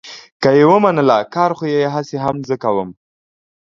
که یې ومنله، کار خو یې هسې هم زه کوم.